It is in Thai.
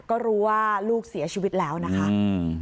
ก็รู้ว่าลูกเสียชีวิตแล้วนะคะอืม